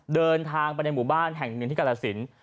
เดินทางไปในหมู่บ้านแห่งหนึ่งที่กรสิน